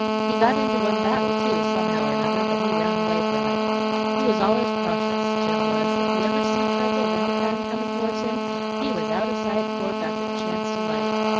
He got into one battle, too, somehow or nother, but he run away from it. He was allers cautious, Jim was; if he ever see trouble of any kind comin' towards him, he was out o' sight fore it got a chance to light.